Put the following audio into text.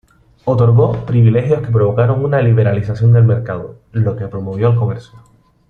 Otorgó privilegios que provocaron una liberalización de mercado, lo que promovió el comercio.